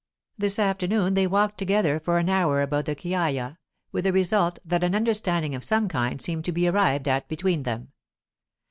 This afternoon they walked together for an hour about the Chiaia, with the result that an understanding of some kind seemed to be arrived at between them.